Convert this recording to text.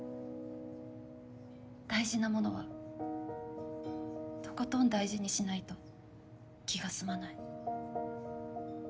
大事なものはとことん大事にしないと気が済まない。